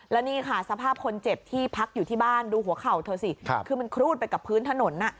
แล้วนี่ค่ะสภาพคนเจ็บที่พักอยู่ที่บ้านดูหัวเข่าเธอสิคือมันครูดไปกับพื้นถนน